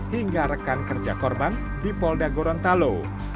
hingga rekan kerja korban di polda gorontalo